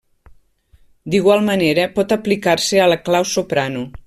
D’igual manera, pot aplicar-se a la clau soprano.